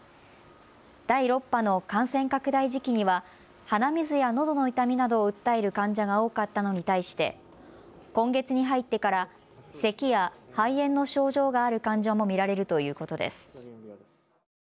第６波の感染拡大時期には鼻水やのどの痛みなどを訴える患者が多かったのに対して今月に入ってからせきや肺炎の症状がある患者も見られるということです。